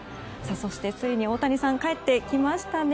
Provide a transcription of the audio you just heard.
そして、ついに大谷さんが帰ってきましたね。